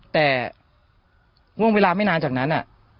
แต่ห่วงเวลาไม่นานจากนั้น